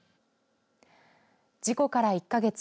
事故から１か月。